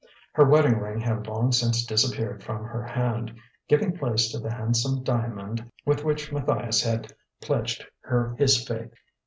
Her wedding ring had long since disappeared from her hand, giving place to the handsome diamond with which Matthias had pledged her his faith.